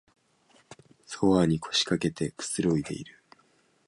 ソファーに腰かけてくつろいでいる